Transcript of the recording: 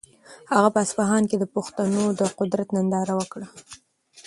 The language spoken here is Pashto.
هغه په اصفهان کې د پښتنو د قدرت ننداره وکړه.